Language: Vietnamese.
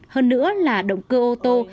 hơn nữa là động cơ ô tô